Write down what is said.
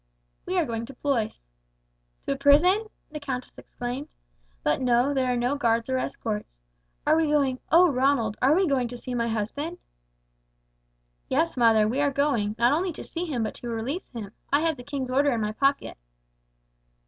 "We are going to Blois." "To a prison?" the countess exclaimed. "But no, there are no guards or escorts. Are we going, oh, Ronald, are we going to see my husband?" "Yes, mother, we are going, not only to see him but to release him. I have the king's order in my pocket."